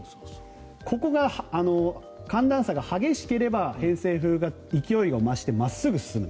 ここが寒暖差が激しければ偏西風が勢いが増して真っすぐ進む。